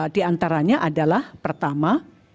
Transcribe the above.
diantaranya adalah pertama